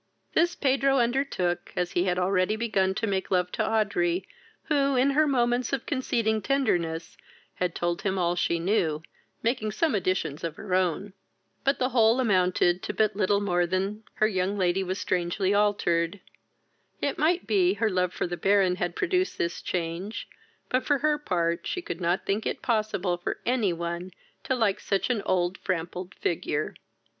This Pedro undertook, as he had already began to make love to Audrey, who, in her moments of conceding tenderness, had told him all she knew, making some additions of her own; but the whole amounted to but little more than her young lady was strangely altered: it might be, her love for the Baron had produced this change; but, for her part, she could not think it possible for any one to like such an old frampled figure.